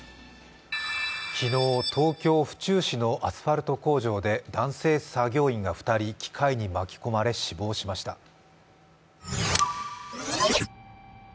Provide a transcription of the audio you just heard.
昨日、東京・府中市のアスファルト工場で男性作業員が２人、機械に巻き込まれ死亡しました。